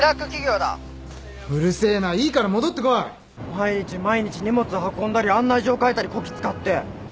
毎日毎日荷物運んだり案内状書いたりこき使って。